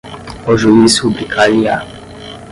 o juiz rubricar-lhe-á